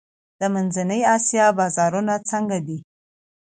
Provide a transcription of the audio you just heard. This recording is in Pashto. د منځنۍ اسیا بازارونه څنګه دي؟